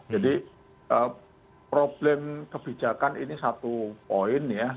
jadi problem kebijakan ini satu poin ya